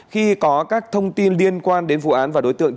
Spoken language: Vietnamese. khi có các thông tin liên quan đến vụ án và đối tượng